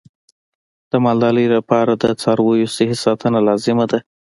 د مالدارۍ لپاره د څارویو صحي ساتنه لازمي ده.